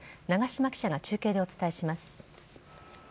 長島記者が中継でお伝えします。